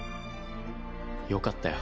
よかったよ。